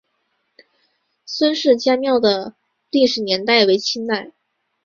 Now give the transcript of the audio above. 孙氏家庙的历史年代为清代。